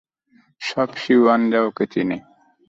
সব সিউয়ানরা ওকে চেনে।